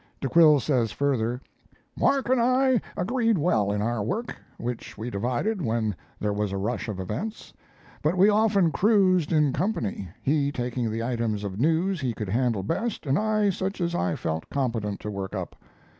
De Quille says further: Mark and I agreed well in our work, which we divided when there was a rush of events; but we often cruised in company, he taking the items of news he could handle best, and I such as I felt competent to work up.